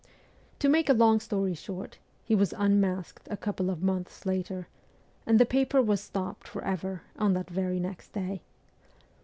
To make a long story short, he was unmasked a couple of months later, and the paper was stopped for ever on the very next day.